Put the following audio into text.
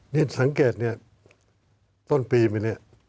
นี่สังเกตต้นปีไปนี้